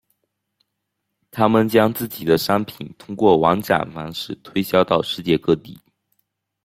他们将自己的商品通过网展方式推销到世界各地。